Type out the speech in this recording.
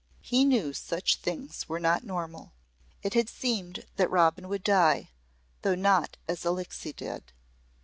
He knew such things were not normal. It had seemed that Robin would die, though not as Alixe did.